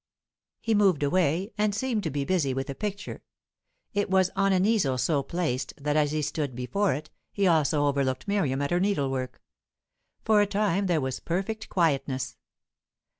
He moved away and seemed to be busy with a picture; it was on an easel so placed that, as he stood before it, he also overlooked Miriam at her needlework. For a time there was perfect quietness.